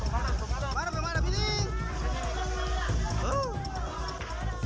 pemadam pemadam pemadam pemadam ini